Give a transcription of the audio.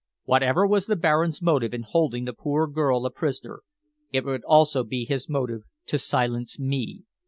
Whatever was the Baron's motive in holding the poor girl a prisoner, it would also be his motive to silence me.